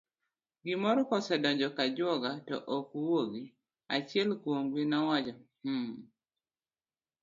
gimoro kosedonjo kajwoga to ok wuogi, achiel kuomgi nowacho mh!